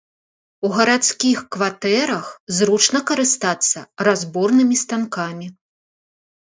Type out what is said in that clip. У гарадскіх кватэрах зручна карыстацца разборнымі станкамі.